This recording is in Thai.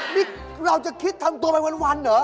นี่เราจะคิดทำตัวไปวันเหรอ